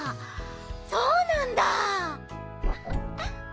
そうなんだ！